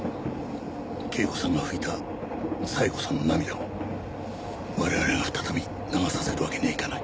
圭子さんが拭いた冴子さんの涙を我々が再び流させるわけにはいかない。